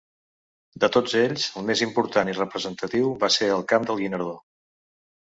De tots ells, el més important i representatiu va ser el Camp del Guinardó.